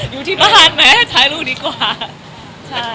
อยู่ที่บ้านไหมใช้ลูกดีกว่า